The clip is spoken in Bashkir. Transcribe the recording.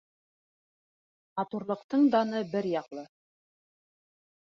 — Матурлыҡтың даны бер яҡлы.